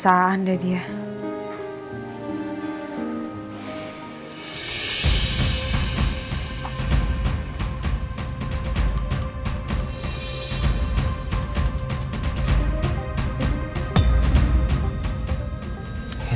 itu bukannya mobilnya aldebaran